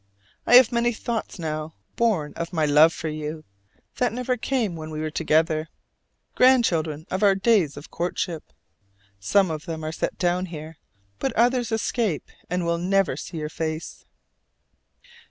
I have many thoughts now, born of my love for you, that never came when we were together, grandchildren of our days of courtship. Some of them are set down here, but others escape and will never see your face!